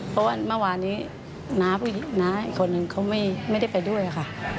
เพราะว่าเมื่อวานนี้น้าผู้หญิงน้าอีกคนนึงเขาไม่ได้ไปด้วยค่ะ